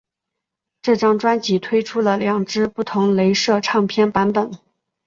这张专辑推出了两只不同雷射唱片版本。